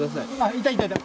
いたいたいた！